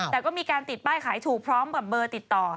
แต่ก็มีการติดป้ายขายถูกพร้อมกับเบอร์ติดต่อ